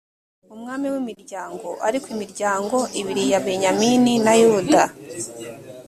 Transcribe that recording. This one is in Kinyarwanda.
umwami w imiryango ariko imiryango ibiri ya benyamini na yuda